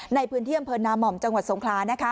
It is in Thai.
ในพื้นที่อำเภอนาม่อมจังหวัดสงครา